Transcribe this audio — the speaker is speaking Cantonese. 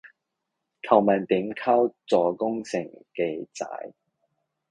求問點溝做工程嘅仔